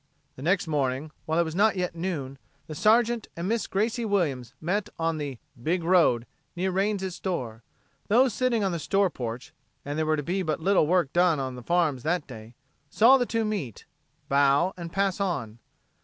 The next morning, while it was not yet noon, the Sergeant and Miss Gracie Williams met on "the big road" near the Rains' store. Those sitting on the store porch and there was to be but little work done on the farms that day saw the two meet, bow and pass on.